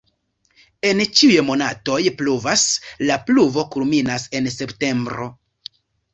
En ĉiuj monatoj pluvas, la pluvo kulminas en septembro.